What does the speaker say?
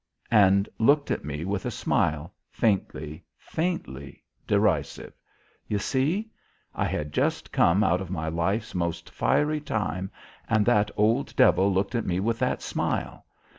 And looked at me with a smile, faintly, faintly derisive. You see? I had just come out of my life's most fiery time, and that old devil looked at me with that smile.